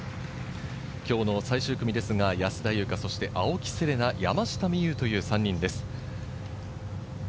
今日の最終組ですが安田祐香、そして青木瀬令奈、山下美夢有という３人です。